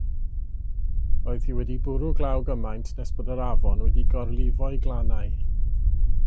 Roedd hi wedi bwrw glaw gymaint nes bod yr afon wedi gorlifo'i glannau.